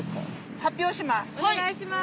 発表します！